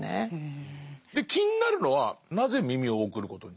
で気になるのはなぜ耳を送ることに？